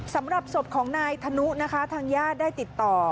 สำหรับศพของนายธนุนะคะทางญาติได้ติดต่อ